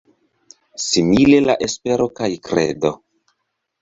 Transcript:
Simile la Espero kaj kredo.